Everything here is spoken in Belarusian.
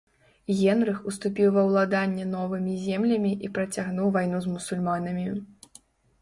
Генрых уступіў ва ўладанне новымі землямі і працягнуў вайну з мусульманамі.